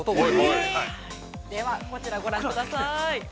◆ではこちら、ご覧ください。